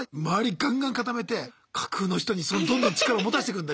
ガンガン固めて架空の人にどんどん力を持たせてくんだ？